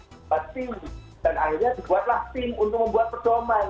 dan akhirnya dibuatlah tim untuk membuat perdoman